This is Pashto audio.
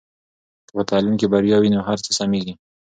که په تعلیم کې بریا وي نو هر څه سمېږي.